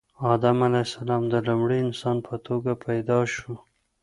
آدم علیه السلام د لومړي انسان په توګه پیدا شو